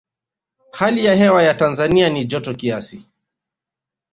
hali ya hewa ya tanzania ni joto kiasi